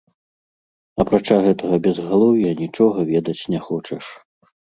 Апрача гэтага безгалоўя, нічога ведаць не хочаш.